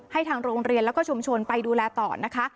ให้ทางโรงเรียนและชมชนไปดูแลต่อนะคะ